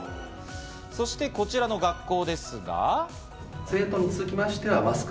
そして、こちらの学校ですが。